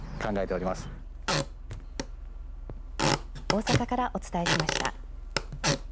大阪からお伝えしました。